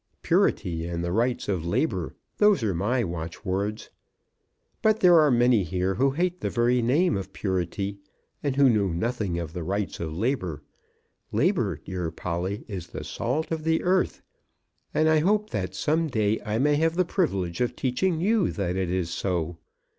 Purity and the Rights of Labour; those are my watchwords. But there are many here who hate the very name of Purity, and who know nothing of the Rights of Labour. Labour, dear Polly, is the salt of the earth; and I hope that some day I may have the privilege of teaching you that it is so.